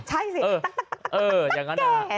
ใช่สิตั้งแก่